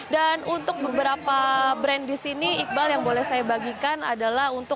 dan untuk beberapa brand di sini iqbal yang boleh saya bagikan adalah